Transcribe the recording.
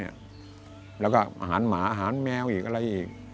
อาหารหมาอาหารแมวอะไรอีก